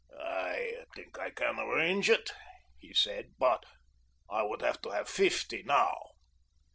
"I think I can arrange it," he said, "but I would have to have fifty now."